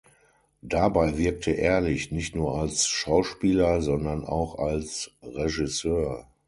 Dabei wirkte Ehrlich nicht nur als Schauspieler, sondern auch als Regisseur.